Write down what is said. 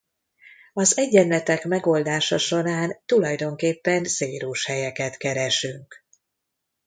Az egyenletek megoldása során tulajdonképpen zérushelyeket keresünk.